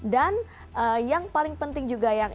dan yang paling penting juga yang